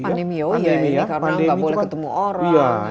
pandemi oh ya ini karena nggak boleh ketemu orang